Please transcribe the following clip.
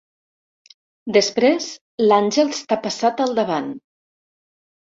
Després l'Àngels t'ha passat al davant.